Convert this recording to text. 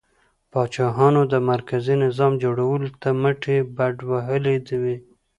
پاچاهانو د مرکزي نظام جوړولو ته مټې بډ وهلې وې.